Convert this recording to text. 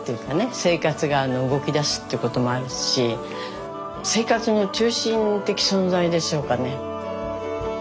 生活が動きだすっていうこともあるし生活の中心的存在でしょうかね。